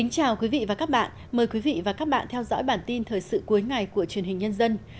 chào mừng quý vị đến với bản tin thời sự cuối ngày của truyền hình nhân dân